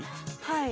はい。